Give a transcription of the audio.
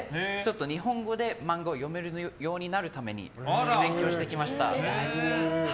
日本語で漫画を読めるようになるために勉強してきました。